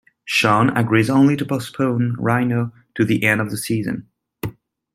Sean agrees only to postpone rhino to the end of the season.